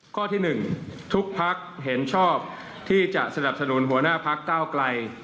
ข้อที่๑ทุกภักดิ์เห็นชอบที่จะสนับสนุนหัวหน้าพักก้าวไกล